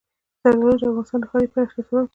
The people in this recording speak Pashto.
زردالو د افغانستان د ښاري پراختیا سبب کېږي.